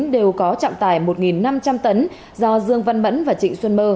đều có trạm tài một năm trăm linh tấn do dương văn mẫn và trịnh xuân mơ